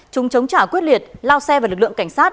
chúng chống trả quyết liệt lao xe vào lực lượng cảnh sát